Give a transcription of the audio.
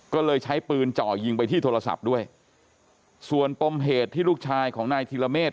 ก็เลยใช้ปืนเจาะยิงไปที่โทรศัพท์ด้วยส่วนปมเหตุที่ลูกชายของนายธิระเมฆ